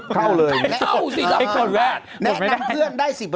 เข้าเลยได้๑๐อะไรอย่างนี้